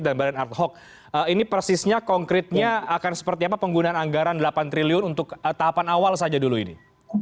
dan ad hoc ini persisnya konkretnya akan seperti apa penggunaan anggaran delapan triliun untuk tahapan awal saja dulu ini